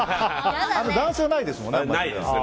男性はないですもんね。